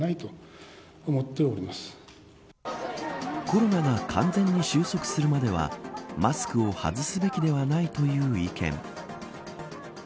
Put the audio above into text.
コロナが完全に収束するまではマスクを外すべきではないという意見。